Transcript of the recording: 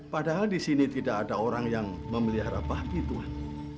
padahal di sini tidak ada orang yang memelihara bahbi tuhan